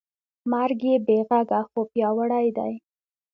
مرګ بېغږه خو پیاوړی دی.